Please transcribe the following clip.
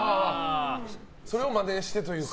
それをマネしてというか。